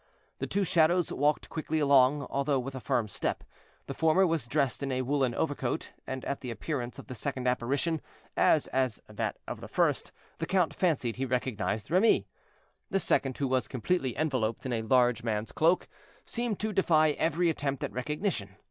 The two shadows walked quickly along, although with a firm step; the former was dressed in a woolen overcoat, and at the appearance of the second apparition, as at that of the first, the count fancied he recognized Remy. The second, who was completely enveloped in a large man's cloak, seemed to defy every attempt at recognition.